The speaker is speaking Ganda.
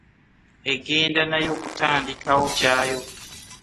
Egenda nayo kutandikawo kyayo.